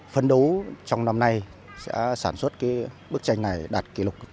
phấn đấu trong năm nay sẽ sản xuất bức tranh này đạt kỷ lục